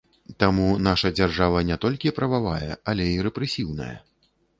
Таму наша дзяржава не толькі прававая, але і рэпрэсіўная.